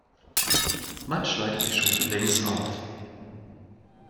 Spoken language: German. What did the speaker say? Man schneidet die Schote längs auf.